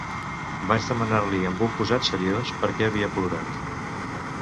Vaig demanar-li, amb un posat seriós, per què havia plorat.